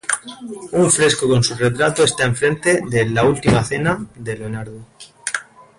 Un fresco con su retrato está enfrente de "La última cena", de Leonardo.